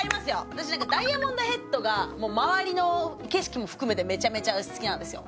私ダイヤモンドヘッドが周りの景色も含めてメチャメチャ好きなんですよ